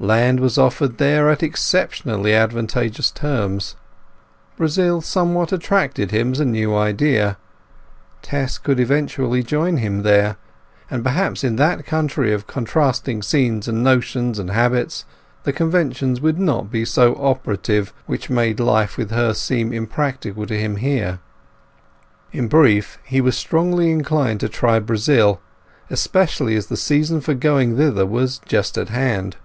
Land was offered there on exceptionally advantageous terms. Brazil somewhat attracted him as a new idea. Tess could eventually join him there, and perhaps in that country of contrasting scenes and notions and habits the conventions would not be so operative which made life with her seem impracticable to him here. In brief he was strongly inclined to try Brazil, especially as the season for going thither was just at hand.